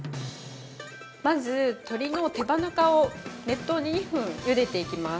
まず鶏の手羽中を熱湯に、２分ゆでていきます。